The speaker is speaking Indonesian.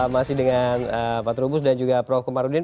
masih dengan pak trubus dan juga prof komarudin